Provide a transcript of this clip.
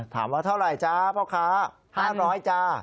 ถามว่าเท่าไหร่จ๊ะพ่อค้า๕๐๐จ้า